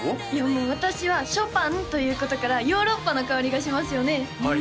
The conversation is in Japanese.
いやもう私はショパンということからヨーロッパの香りがしますよね